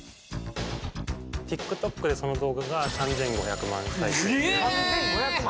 ＴｉｋＴｏｋでその動画が３５００万再生３５００万！？